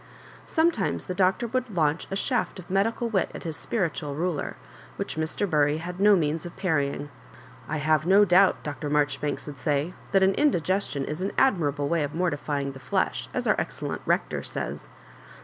Sometimes the Doctor would launch a shaft of medical wit at his spiritual ruler, which Mr. Bury had no means of parrying. " I have no doubt," Dr. Maijoribanks would say, "that an indigestion is an admirable way of mortifying the flesh, as our excellent Rector says.